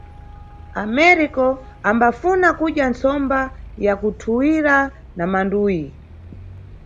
Ameriko ambafuna kudya ntsomba ya kuthwira na manduyi.